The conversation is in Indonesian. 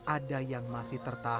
ada yang masih tertarik